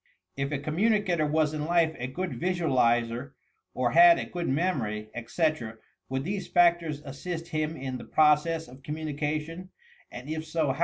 If a communicator was in life a good visualizer or had a good memory, etc., would these factors assist him in the process of communication, — and if so.